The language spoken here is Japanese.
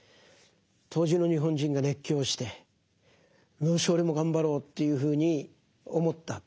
当時の日本人が熱狂してよし俺も頑張ろうというふうに思った。